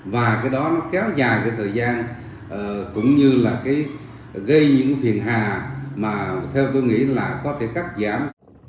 và cái đó nó kéo dài cái thời gian cũng như là gây những phiền hà mà theo tôi nghĩ là có thể cắt giảm